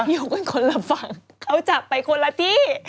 อยู่กันคนละฝั่งเขาจับไปคนละที่